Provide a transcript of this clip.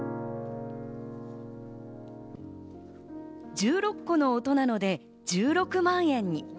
１６個の音なので１６万円に。